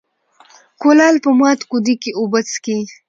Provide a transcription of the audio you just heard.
ـ کولال په مات کودي کې اوبه څکي.